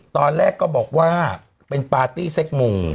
ตอนแรกก็บอกว่าเป็นปาร์ตี้เซ็กมุม